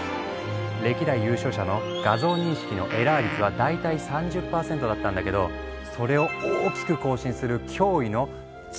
歴代優勝者の画像認識のエラー率は大体３０％だったんだけどそれを大きく更新する驚異の１５％をマーク。